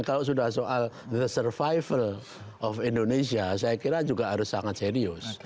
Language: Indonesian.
kalau sudah soal survival of indonesia saya kira juga harus sangat serius